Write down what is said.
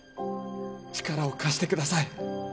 力を貸してください！